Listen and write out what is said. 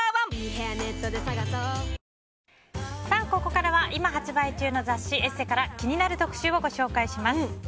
ここからは今発売中の雑誌「ＥＳＳＥ」から気になる特集をご紹介します。